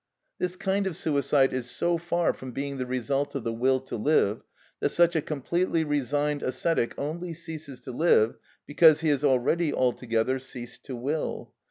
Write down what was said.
This kind of suicide is so far from being the result of the will to live, that such a completely resigned ascetic only ceases to live because he has already altogether ceased to will.